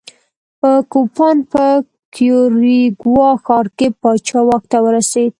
په کوپان په کیوریګوا ښار کې پاچا واک ته ورسېد.